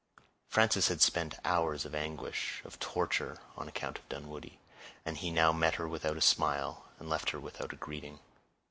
Frances had spent hours of anguish, of torture, on account of Dunwoodie, and he now met her without a smile, and left her without a greeting.